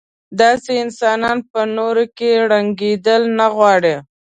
داسې انسانان په نورو کې رنګېدل نه غواړي.